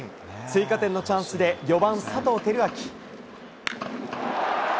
追加点のチャンスで４番佐藤輝明。